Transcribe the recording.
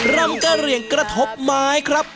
รำเกรียงกระทบไม้ครับ